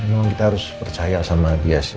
memang kita harus percaya sama dia sih